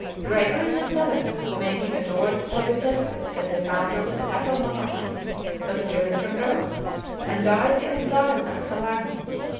Gregory the Seventh, who may be adored or detested as the founder of the papal monarchy, was driven from Rome, and died in exile at Salerno.